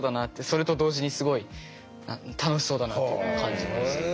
それと同時にすごい楽しそうだなっていうのは感じました。